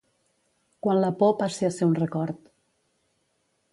Quan la por passe a ser un record.